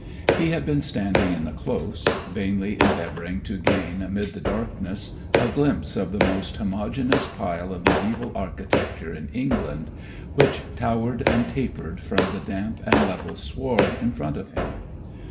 He had been standing in the Close, vainly endeavouring to gain amid the darkness a glimpse of the most homogeneous pile of mediæval architecture in England, which towered and tapered from the damp and level sward in front of him.